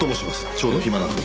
ちょうど暇なんで。